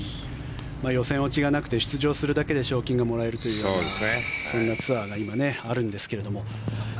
予選落ちがなくて出場するだけで賞金がもらえるというようなツアーがあるんですが。